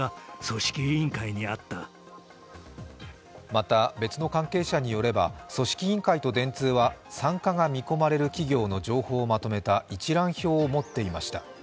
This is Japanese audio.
また、別の関係者によれば、組織委員会と電通は参加が見込まれる企業の情報をまとめた一覧表を持っていました。